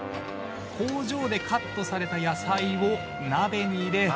工場でカットされた野菜を鍋に入れ。